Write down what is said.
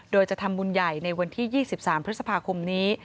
โดยจะทำบุญใหญ่ในวันที่๒๓พฤษภาคมนี้